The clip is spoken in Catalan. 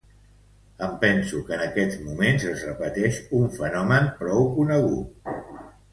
Em penso que en aquests moments es repeteix un fenomen prou conegut.